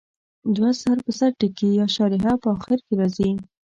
دوه سر په سر ټکي یا شارحه په اخر کې راځي.